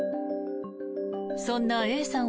そんなＡさん